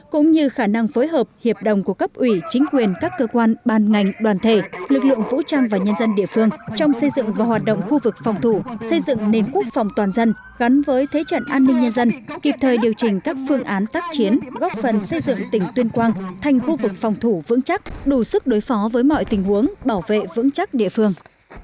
cũng như khả năng phối hợp hiệp đồng của cấp ủy chính quyền các cơ quan ban ngành đoàn thể lực lượng vũ trang và nhân dân địa phương trong xây dựng và hoạt động khu vực phòng thủ xây dựng nền quốc phòng toàn dân gắn với thế trận an ninh nhân dân kịp thời điều trình các phương án tác chiến góp phần xây dựng tỉnh tuyên quang thành khu vực phòng thủ vững chắc đủ sức đối phó với mọi tình huống bảo vệ vững chắc địa phương